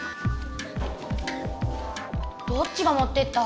どっちがもってった？